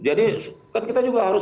jadi kan kita juga harus